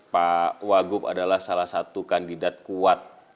pak wagub adalah salah satu kandidat kuat